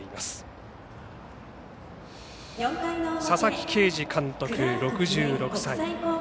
佐々木啓司監督、６６歳。